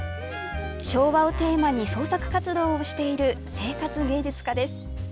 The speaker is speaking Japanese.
昭和をテーマに創作活動をしている生活芸術家です。